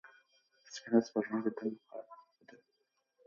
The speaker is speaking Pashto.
سپینه سپوږمۍ د ده مخاطبه ده.